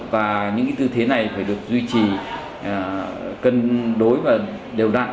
và những tư thế này phải được duy trì cân đối và đều đặn